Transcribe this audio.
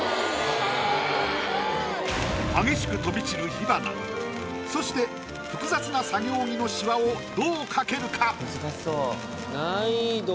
激しく飛び散る火花そして複雑な作業着のシワをどう描けるか？